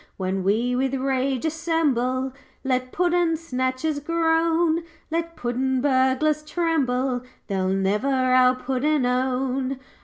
'When we with rage assemble, Let puddin' snatchers groan; Let puddin' burglars tremble, They'll ne'er our puddin' own.